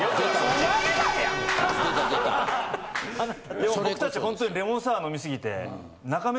でも僕たちほんとにレモンサワー飲み過ぎて。